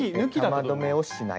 玉留めをしない。